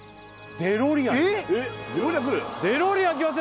デロリアン？出た！